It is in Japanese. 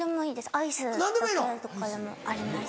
アイスだけとかでもあります